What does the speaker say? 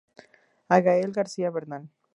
A Gael García Bernal.